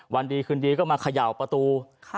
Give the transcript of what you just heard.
วันดีคืนดีก็มาขย่าวประตูครับ